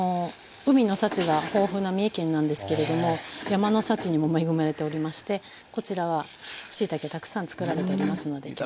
海の幸が豊富な三重県なんですけれども山の幸にも恵まれておりましてこちらはしいたけたくさん作られておりますので。